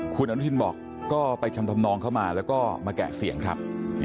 คุณอนุทินบอกก็ไปทำทำนองเข้ามาแล้วก็มาแกะเสียงครับ